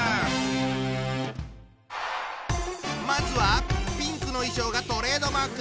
まずはピンクの衣装がトレードマーク！